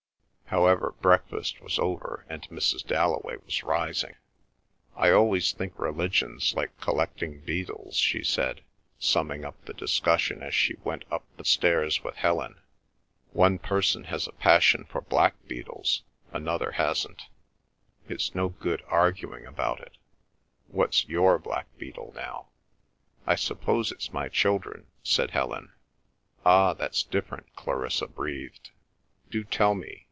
However, breakfast was over and Mrs. Dalloway was rising. "I always think religion's like collecting beetles," she said, summing up the discussion as she went up the stairs with Helen. "One person has a passion for black beetles; another hasn't; it's no good arguing about it. What's your black beetle now?" "I suppose it's my children," said Helen. "Ah—that's different," Clarissa breathed. "Do tell me.